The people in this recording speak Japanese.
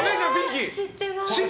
知ってます！